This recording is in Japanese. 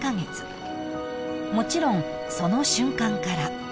［もちろんその瞬間から］